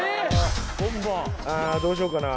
どうしようかな？